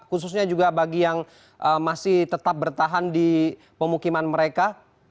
khususnya juga bagi yang masih tetap bertahan di pemukiman mereka